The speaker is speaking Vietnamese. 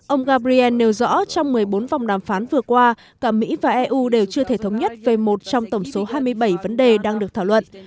ông gabriel nêu rõ trong một mươi bốn vòng đàm phán vừa qua cả mỹ và eu đều chưa thể thống nhất về một trong tổng số hai mươi bảy vấn đề đang được thảo luận